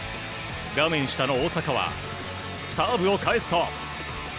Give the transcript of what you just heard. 画面下の大坂はサーブを返すと。